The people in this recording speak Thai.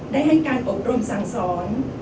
ได้ให้การอบรมสั่งสอน